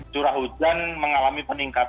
curah hujan mengalami peningkatan